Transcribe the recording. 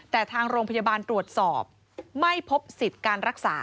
แต่ทางโรงพยาบาลตรวจสอบไม่พบสิทธิ์การรักษา